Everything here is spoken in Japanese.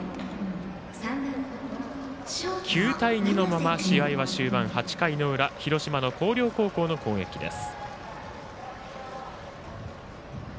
９対２のまま試合は終盤８回の裏広島の広陵高校の攻撃です。